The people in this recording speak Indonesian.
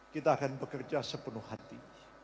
kita akan bekerja sepenuh hati